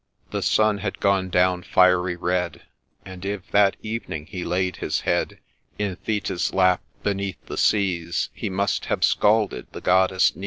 The Sun had gone down fiery red ; And if, that evening, he laid his head In Thetis's lap beneath the seas, He must have scalded the goddess's knees.